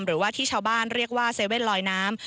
หรือว่าที่ชาวบ้านเรียกว่าเซเว่นลอยน้ำ